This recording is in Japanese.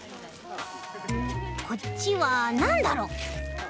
こっちはなんだろう？